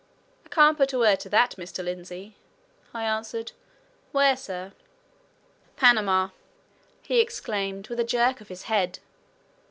"I can't put a word to that, Mr. Lindsey," I answered. "Where, sir?" "Panama!" he exclaimed, with a jerk of his head.